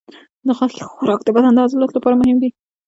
د غوښې خوراک د بدن د عضلاتو لپاره مهم دی.